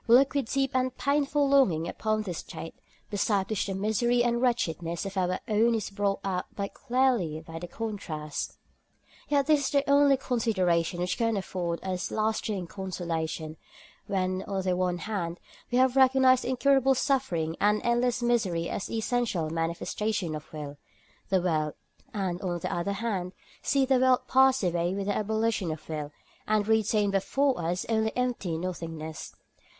We look with deep and painful longing upon this state, beside which the misery and wretchedness of our own is brought out clearly by the contrast. Yet this is the only consideration which can afford us lasting consolation, when, on the one hand, we have recognised incurable suffering and endless misery as essential to the manifestation of will, the world; and, on the other hand, see the world pass away with the abolition of will, and retain before us only empty nothingness.